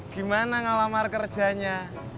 gimana ngelamar kerjanya